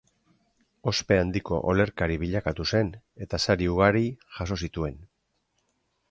Ospe handiko olerkari bilakatu zen, eta sari ugari jaso zituen.